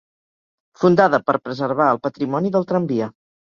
Fundada per preservar el patrimoni del tramvia.